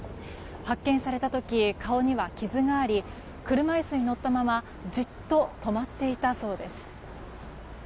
発見された時、顔には傷があり車椅子に乗ったままじっと止まっていたそうです。